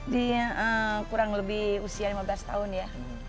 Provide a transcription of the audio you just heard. di kurang lebih usia lima belas tahun ya